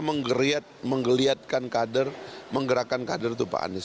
yang bisa menggeliatkan kader menggerakkan kader itu pak andies